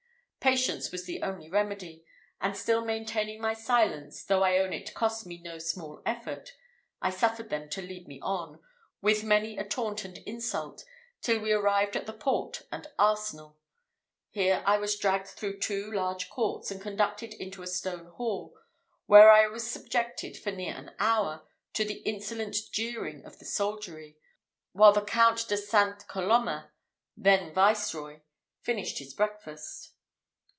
Patience was the only remedy; and still maintaining my silence, though I own it cost me no small effort, I suffered them to lead me on, with many a taunt and insult, till we arrived at the port and arsenal. Here I was dragged through two large courts, and conducted into a stone hall, where I was subjected, for near an hour, to the insolent jeering of the soldiery, while the Count de Saint Colomma, then Viceroy, finished his breakfast.